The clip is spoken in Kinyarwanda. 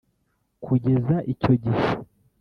Kugeza icyo gihe,